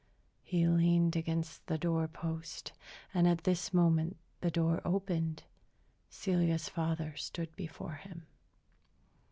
He leaned against the door post, and at this moment the door opened. Celia's father stood before him.